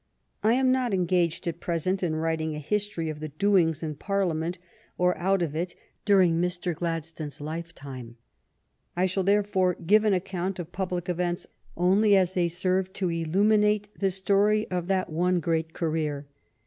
I am not engaged at present in wTiting a history of the doings in Parliament or out of it during Mr. Gladstone's lifetime. I shall, therefore, give an account of public events only as they serve to illuminate the story of that one great career.